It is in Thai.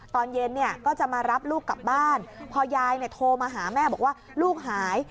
ตอนเย็นเนี่ยก็จะมารับลูกกลับบ้านพอยายโทรมาหาแม่บอกว่าลูกหาย